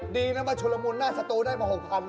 ดีนะมาชุลมุนหน้าสตูได้มา๖คำ